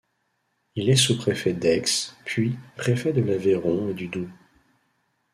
Il est sous-préfet d'Aix, puis préfet de l'Aveyron et du Doubs.